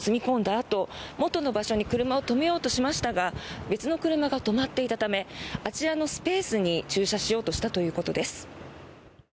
あと元の場所に車を止めようとしましたが別の車が止まっていたためあちらのスペースに駐車しようとしたということです。